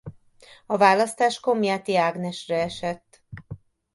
A választás Komjáthy Ágnesre esett.